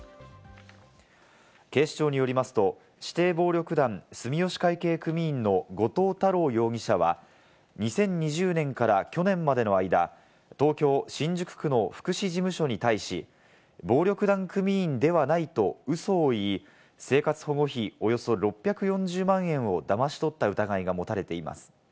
警視庁によりますと、指定暴力団住吉会系組員の後藤太郎容疑者は、２０２０年から去年までの間、東京新宿区の福祉事務所に対し、暴力団組員ではないとウソ言い、生活保護費およそ６４０万円をだまし取った疑いが持たれています。